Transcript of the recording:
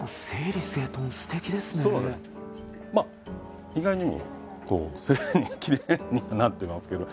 まあ意外にもきれいにはなってますけど。